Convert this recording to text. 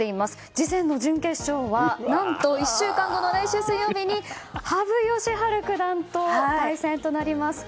次の準決勝は何と、１週間後の来週水曜日に羽生善治九段と対戦となります。